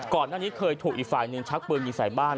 ก่อนหน้านี้เคยถูกอีกฝ่ายหนึ่งชักปืนยิงใส่บ้าน